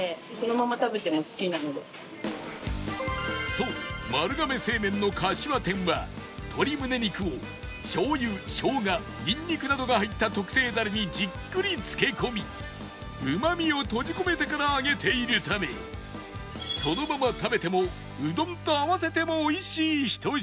そう丸亀製麺のかしわ天は鶏むね肉を醤油しょうがにんにくなどが入った特製だれにじっくり漬け込みうまみを閉じ込めてから揚げているためそのまま食べてもうどんと合わせても美味しい１品